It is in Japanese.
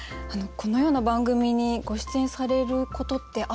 このような番組にご出演されることってあるんですか？